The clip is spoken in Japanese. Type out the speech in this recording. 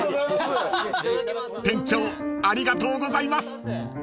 ［店長ありがとうございます］